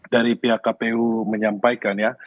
dari pihak kpu menyampaikan ya